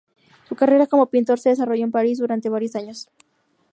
Su carrera como pintor se desarrolló en París durante varios años.